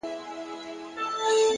صبر د وخت له فشار سره همغږی دی,